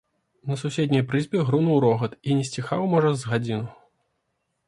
На суседняй прызбе грунуў рогат і не сціхаў, можа, з гадзіну.